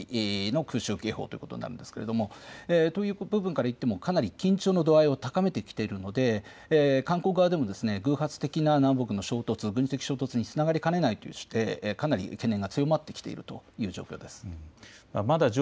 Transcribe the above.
これも７年近くぶりの空襲警報ということになるんですが、という部分からいってもかなり緊張の度合いを高めてきているので韓国側でも偶発的な南北の衝突、軍事的衝突につながりかねないとしてかなり懸念が強まってきているという状況です。